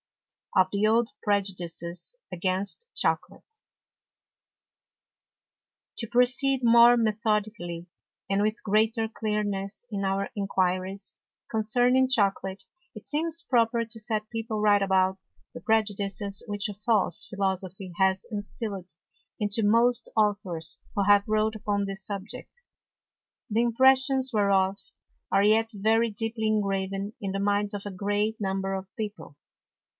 Of the old Prejudices against Chocolate. To proceed more methodically, and with greater Clearness in our Enquiries concerning Chocolate, it seems proper to set People right about the Prejudices which a false Philosophy has instilled into most Authors who have wrote upon this Subject; the Impressions whereof, are yet very deeply ingraven in the Minds of a great Number of People.